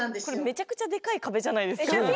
これめちゃくちゃでかい壁じゃないですか。